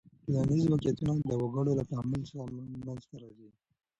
ټولنیز واقعیت د وګړو له تعامل څخه منځ ته راځي.